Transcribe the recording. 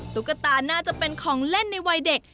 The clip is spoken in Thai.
ตุ๊กตาน่าจะเป็นของเล่นในวัยเด็ก